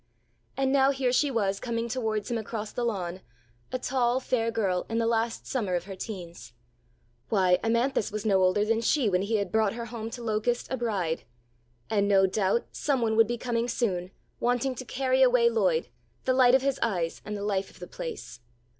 And now here she was coming towards him across the lawn, a tall, fair girl in the last summer of her teens. Why Amanthis was no older than she when he had brought her home to Locust, a bride. And no doubt some one would be coming soon, wanting to carry away Lloyd, the light of his eyes and the life of the place.